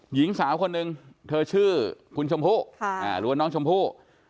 หญิงสาวคนหนึ่งเธอชื่อคุณชมพู่หรือว่าน้องชมพู่